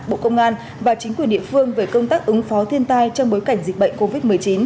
bộ công an và chính quyền địa phương về công tác ứng phó thiên tai trong bối cảnh dịch bệnh covid một mươi chín